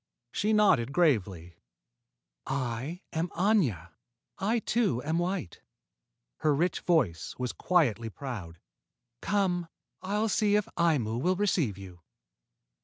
She nodded gravely. "I am Aña. I, too, am white." Her rich voice was quietly proud. "Come; I'll see if Aimu will receive you."